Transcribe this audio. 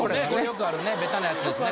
ベタなやつですね。